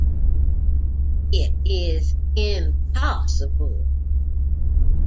It is impossible.